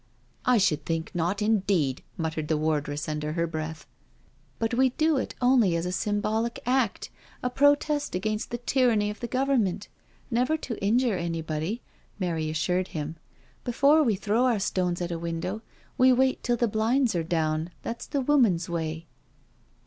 " I should think not, indeed," muttered the wardress under her breath. " But we do it pnly as a symbolic act — a protest against the tyranny of the Government— never to injure anybody," Mary assured him. " Before we throw our stones at a window we wait till the blinds are down — that's the woman's way."